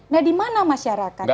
nah di mana masyarakat